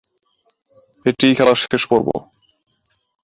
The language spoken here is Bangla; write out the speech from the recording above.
এটিই খেলার শেষ পর্ব।